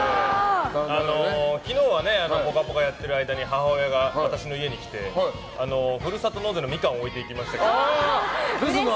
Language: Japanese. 昨日は「ぽかぽか」やってる間に母親が私の家に来てふるさと納税のミカンを置いていきましたけど。